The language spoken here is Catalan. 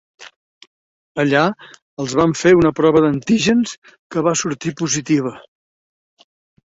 Allà, els van fer una prova d’antígens, que va sortir positiva.